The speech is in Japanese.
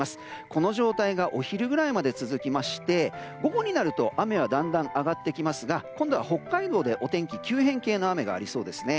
この状態がお昼ぐらいまで続きまして午後になると雨はだんだん上がってきますが今度は北海道でお天気急変系の雨がありそうですね。